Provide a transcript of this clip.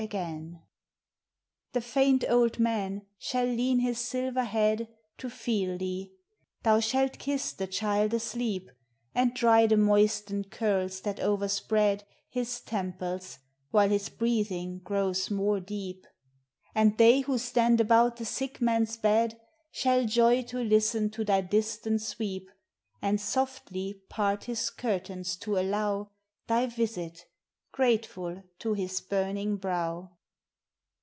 56 POEMS OF NATURE. The faint old man shall lean his silver head To feel thee; thou shalt kiss the child asleep, And dry the moistened curls that overspread His temples, while his breathing grows more deep : And they who stand about the sick man's bed Shall joy to listen to thy distant sweep, And softly part his curtains to allow Thy visit, grateful to his burning brow.